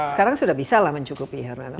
sekarang sudah bisa lah mencukupi